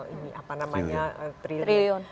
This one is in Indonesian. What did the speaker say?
ini memiliki barangan sekitar lima puluh triliun